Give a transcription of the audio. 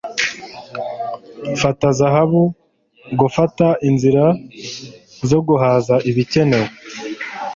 Fata zahabu! Gufata inzira zo guhaza ibikenewe!